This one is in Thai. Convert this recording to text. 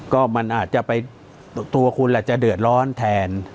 ก็มันอาจจะไปตัวคุณอาจจะเดือดร้อนแทน